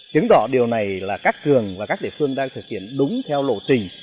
chứng đọa điều này là các cường và các địa phương đang thực hiện đúng theo lộ trình